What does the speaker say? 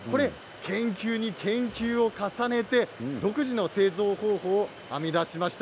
研究に研究を重ねて独自の製造を製造方法を編み出しました。